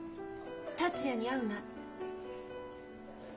「達也に会うな」って？